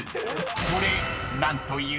［これ何という？］